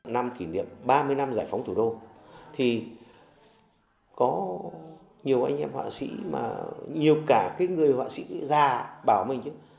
năm kỷ niệm ba mươi năm giải phóng thủ đô thì có nhiều anh em họa sĩ nhiều cả người họa sĩ già bảo mình chứ